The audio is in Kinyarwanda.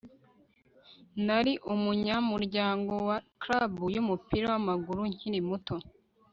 nari umunyamuryango wa club yumupira wamaguru nkiri muto